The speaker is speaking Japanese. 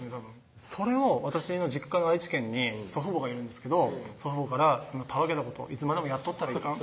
それを私の実家の愛知県に祖父母がいるんですけど祖父母から「そんなたわけたこといつまでもやっとったらいかん」